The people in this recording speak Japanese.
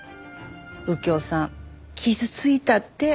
右京さん傷ついたって。